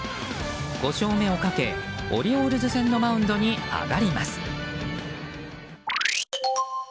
５勝目をかけオリオールズ戦のマウンドに上がります。